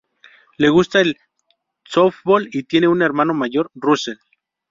Le gusta el softbol y tiene un hermano mayor, Russell.